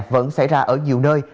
vẫn xảy ra ở nhiều nơi